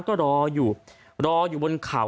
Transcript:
โปรดติดตามต่อไป